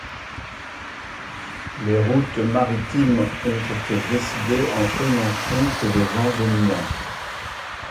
Les routes maritimes ont été décidées en tenant compte des vents dominants.